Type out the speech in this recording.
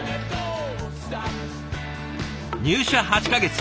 入社８か月。